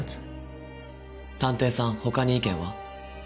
探偵さん他に意見は？